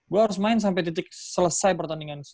gue harus main sampai titik selesai pertandingan